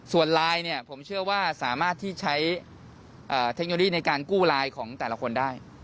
ส่วนไลน์เนี่ยผมเชื่อว่าสามารถที่ใช้เทคโนโลยีในการกู้ไลน์ของแต่ละคนได้